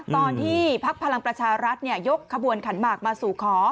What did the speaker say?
ภักดิ์พลังประชารัฐยกขบวนขันหมากมาสู่ขอ